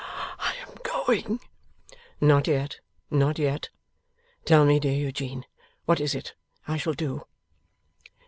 I am going!' 'Not yet, not yet. Tell me, dear Eugene, what is it I shall do?